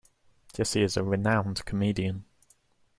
Jessie is a renowned comedian.